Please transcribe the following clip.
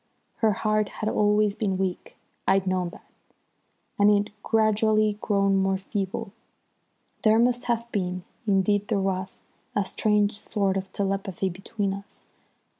Her heart had always been weak, I'd known that, and it had gradually grown more feeble. There must have been, indeed there was, a strange sort of telepathy between us.